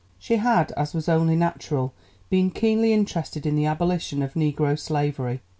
She had, as was only natural, been keenly interested in the abolition of negro slavery.